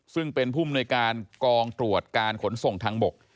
ซึ่งเป็นผู้มนุยการกองตรวจการขนส่งทางบก